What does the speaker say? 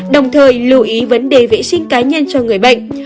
đồng thời lưu ý vấn đề vệ sinh cá nhân cho người bệnh